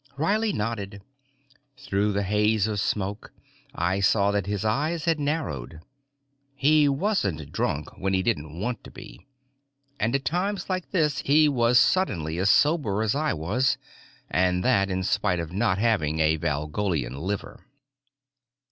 Riley nodded. Through the haze of smoke I saw that his eyes were narrowed. He wasn't drunk when he didn't want to be, and at times like this he was suddenly as sober as I was, and that in spite of not having a Valgolian liver.